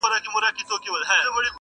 خپلي پښې د خپلي کمبلي سره غځوه.